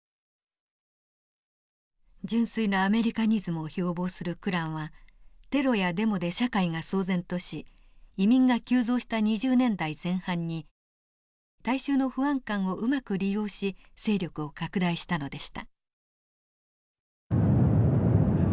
純粋なアメリカニズムを標榜するクランはテロやデモで社会が騒然とし移民が急増した２０年代前半に大衆の不安感をうまく利用し勢力を拡大したのでした。